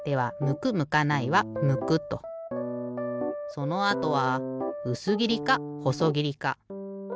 そのあとはうすぎりかほそぎりか？